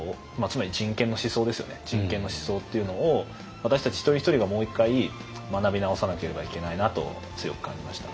人権の思想っていうのを私たち一人一人がもう一回学び直さなければいけないなと強く感じました。